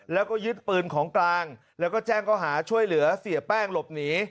แล้วก็ยึดปืนของกลางแล้วก็แจ้งเขาหาช่วยเหลือเสียแป้งหลบหนี